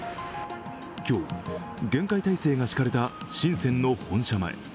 今日、厳戒態勢が敷かれた深センの本社前。